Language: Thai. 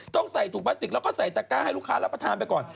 ต้องใส่ถุงพลาสติกแล้วก็ใส่ตะก้าให้ลูกค้ารับประทานไปก่อน